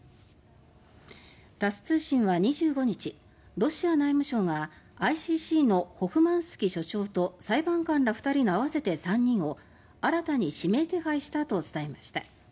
タス通信は２５日ロシア内務省がＩＣＣのホフマンスキ所長と裁判官ら２人の合わせて３人を新たに指名手配したと伝えました。